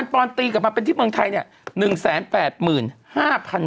๔๐๐๐ปอนตีกลับมาเป็นที่เมืองไทย